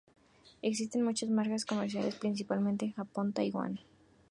Existen muchas marcas comerciales, principalmente en Japón y Taiwan.